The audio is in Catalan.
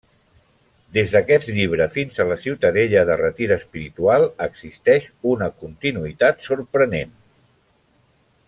Des d'aquest llibre fins a la ciutadella de retir espiritual existeix una continuïtat sorprenent.